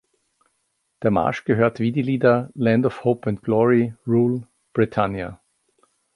Der Marsch gehört wie die Lieder Land of Hope and Glory, Rule, Britannia!